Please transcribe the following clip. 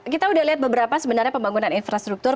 kita udah lihat beberapa sebenarnya pembangunan infrastruktur